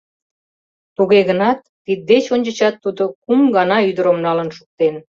Туге гынат тиддеч ончычат тудо кум гана ӱдырым налын шуктен.